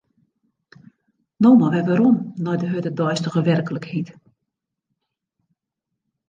No mar wer werom nei de hurde deistige werklikheid.